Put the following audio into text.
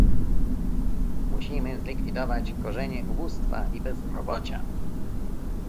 Musimy zlikwidować korzenie ubóstwa i bezrobocia